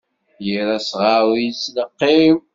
Yir asɣar ur yettleqqim.